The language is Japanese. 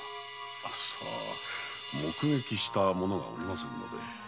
目撃した者がおりませんので。